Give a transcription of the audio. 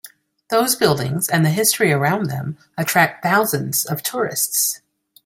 Those buildings and the history around them attract thousands of tourists.